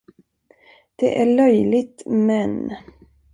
Det är löjligt, men.